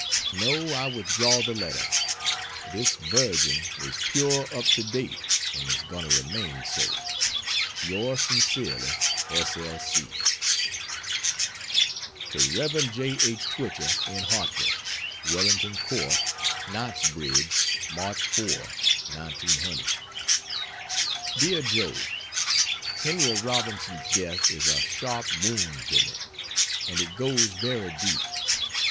No, I withdraw the letter. This virgin is pure up to date, and is going to remain so. Ys sincerely, S. L. C. To Rev. J. H. Twichell, in Hartford: WELLINGTON COURT, KNIGHTSBRIDGE, Mch. 4, '00. DEAR JOE, Henry Robinson's death is a sharp wound to me, and it goes very deep.